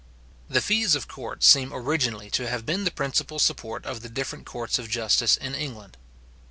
The fees of court seem originally to have been the principal support of the different courts of justice in England.